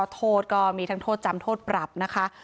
โทษก็มีทั้งโทษจำโทษปรับนะคะ